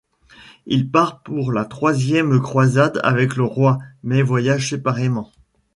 Il part pour la troisième croisade avec le roi, mais voyage séparément.